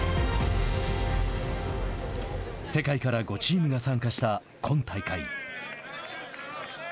世界から５チームが参加した今大会。